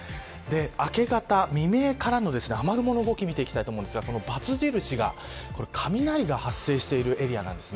明け方、未明からの雨雲の動きを見ていきますがばつ印が雷が発生しているエリアです。